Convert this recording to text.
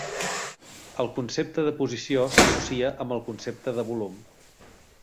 El concepte de posició s'associa amb el concepte de volum.